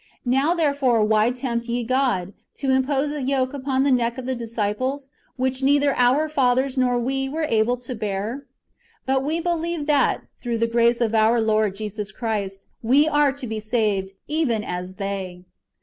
Now therefore why tempt ye God, to impose a yoke upon the neck of the disciples, which neither our fathers nor we were able to bear ? But we believe that, through the grace of our Lord Jesus Christ, we are to be saved, even as they."